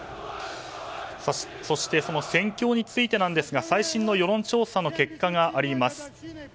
そしてその戦況について最新の世論調査の結果です。